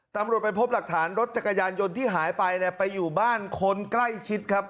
ตำรวจไปพบหลักฐานรถจักรยานยนต์ที่หายไปเนี่ยไปอยู่บ้านคนใกล้ชิดครับ